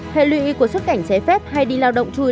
hệ lưu ý của xuất cảnh xé phép hay đi lao động chui